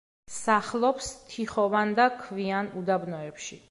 სახლობს თიხოვან და ქვიან უდაბნოებში.